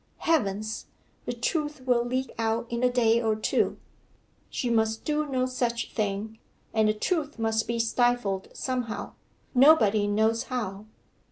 Heavens! the truth will leak out in a day or two!' 'She must do no such thing, and the truth must be stifled somehow nobody knows how.